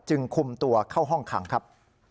คุมตัวเข้าห้องขังครับ